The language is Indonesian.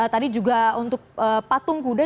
tadi juga untuk patung kuda